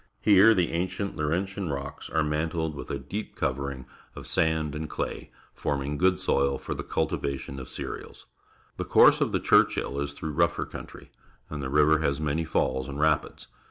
Here the an cient Laurentian rocks are mantled with a deep covering of sand and claj', forming a good soil for the cultivation of cereals. The THE PRAIRIE PROVINCES 109 course of the Churchill is through rougher country, and the river has many falls and rapids.